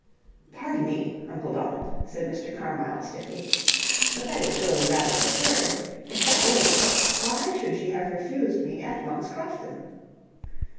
"Pardon me, Uncle Donald," said Mr. Carmyle, stiffly, "but that is surely rather absurd. If that were the case, why should she have refused me at Monk's Crofton?"